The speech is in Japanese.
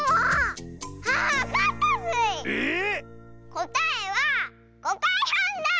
⁉こたえは「ごかいはん」だ！